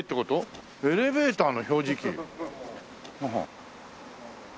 ああエレベーターの表示器。